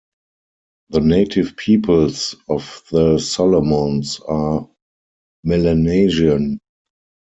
The native peoples of the Solomons are Melanesian.